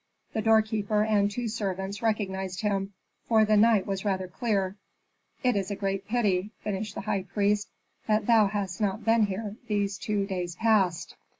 The doorkeeper and two servants recognized him, for the night was rather clear. It is a great pity," finished the high priest, "that thou hast not been here these two days past."